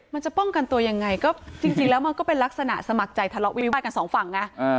มันจะป้องกันตัวยังไงก็จริงแล้วมันก็เป็นลักษณะสมัครใจทะเลาะวิวาสกันสองฝั่งไง